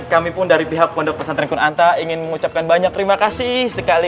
kami pun dari pihak pondok pesantren kunta ingin mengucapkan banyak terima kasih sekali